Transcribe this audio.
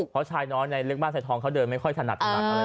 ขอไอฉายน้อยในเลือกบ้านสายทองเขาเดินไม่ค่อยชนัด